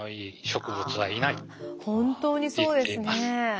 本当にそうですね。